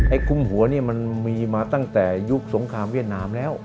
คุมหัวนี่มันมีมาตั้งแต่ยุคสงครามเวียดนามแล้ว